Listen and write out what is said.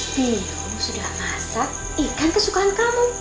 bium sudah masak ikan kesukaan kamu